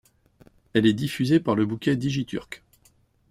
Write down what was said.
Elle est diffusée par le bouquet Digiturk.